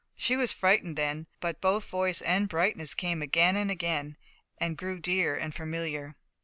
She was frightened then, but both voice and brightness came again and again, and grew dear and familiar.